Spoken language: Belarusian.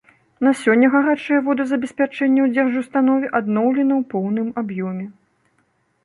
На сёння гарачае водазабеспячэнне ў дзяржустанове адноўлена ў поўным аб'ёме.